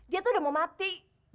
dia tuh udah mau mati